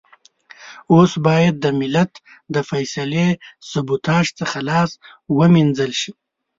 اوس بايد د ملت د فيصلې سبوتاژ څخه لاس و مينځل شي.